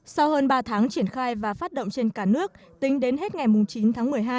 sau hơn ba tháng triển khai và phát động trên cả nước tính đến hết ngày chín tháng một mươi hai